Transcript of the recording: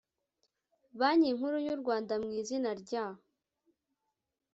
banki nkuru y u rwanda mw izina rya